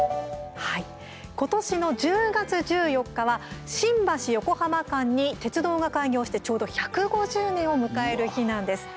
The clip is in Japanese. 今年の１０月１４日は新橋、横浜間に鉄道が開業してちょうど１５０年を迎える日なんです。